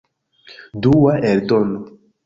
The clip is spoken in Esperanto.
Dua eldono.